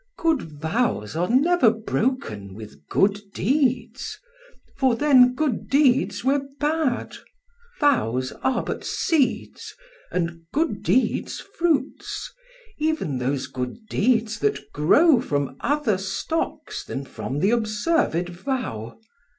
Good vows are never broken with good deeds, For then good deeds were bad: vows are but seeds, And good deeds fruits; even those good deeds that grow From other stocks than from th' observed vow.